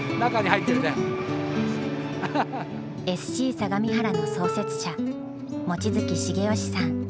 相模原の創設者望月重良さん。